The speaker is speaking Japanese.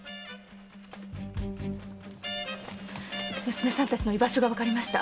娘たちの居場所がわかりました。